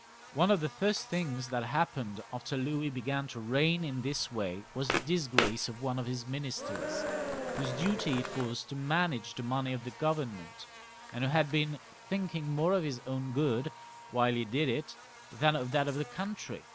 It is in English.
One of the first things that happened after Louis began to reign in this way was the disgrace of one of his minis ters, whose duty it was to manage the money of the Govern ment, and who had been thinking more of his own good while he did it than of that of the country.